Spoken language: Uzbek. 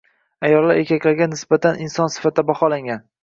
Ayollar erkaklarga teng inson sifatida baholanmagan